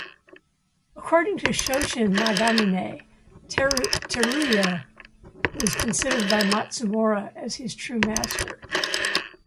According to Shoshin Nagamine, Teruya was considered by Matsumora as his true master.